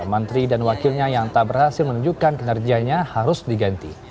menteri dan wakilnya yang tak berhasil menunjukkan kinerjanya harus diganti